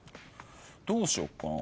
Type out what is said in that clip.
どうしよっかな。